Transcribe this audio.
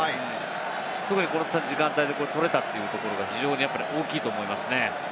特にこの時間帯で取れたっていうところは非常に大きいと思います